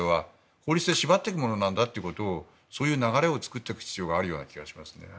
法律で縛っていくものなんだということをそういう流れを作っていく必要があると思います。